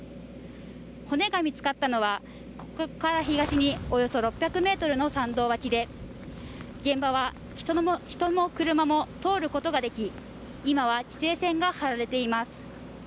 骨が見つかったのは、ここから東におよそ６００ｍの山道脇で現場は人も車も通ることができ今は規制線が張られています。